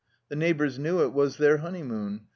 The neighbors knew it was their honejmaoon.